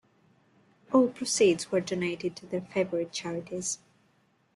All proceeds were donated to their favorite charities.